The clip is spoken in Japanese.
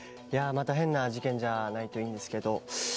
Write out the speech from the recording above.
いやまた変な事件じゃないといいんですけど。